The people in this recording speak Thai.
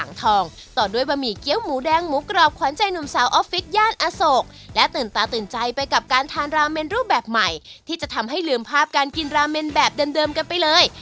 หลังทองต่อด้วยบะหมี่เกี้ยวหมูแดงหมูกรอบขวานใจหนุ่มสาวออฟฟิศย่านอโศกและตื่นตาตื่นใจไปกับการทานราเมนรูปแบบใหม่ที่จะทำให้ลืมภาพการกินราเมนแบบเดิมเดิมกันไปเลย